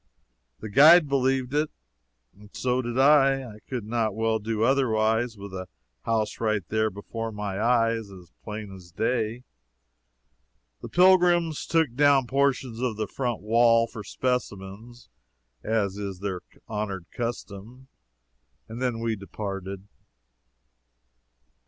The guide believed it, and so did I. I could not well do otherwise, with the house right there before my eyes as plain as day. The pilgrims took down portions of the front wall for specimens, as is their honored custom, and then we departed.